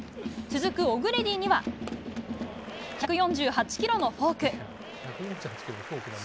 続くオグレディには１４８キロのフォーク。